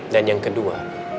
dan yang kedua